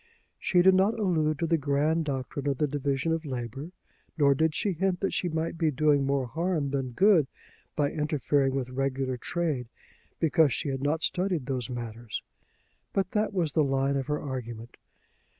She did not allude to the grand doctrine of the division of labour, nor did she hint that she might be doing more harm than good by interfering with regular trade, because she had not studied those matters. But that was the line of her argument.